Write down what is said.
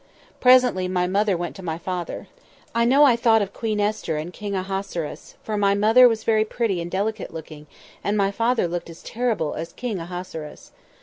"Presently my mother went to my father. I know I thought of Queen Esther and King Ahasuerus; for my mother was very pretty and delicate looking, and my father looked as terrible as King Ahasuerus.